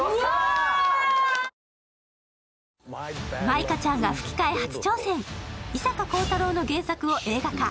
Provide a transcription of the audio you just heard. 舞香ちゃんが吹き替え初挑戦伊坂幸太郎の原作を映画化。